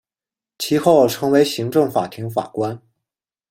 其后成为行政法庭法官。